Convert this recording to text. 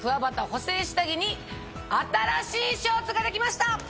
補整下着に新しいショーツができました！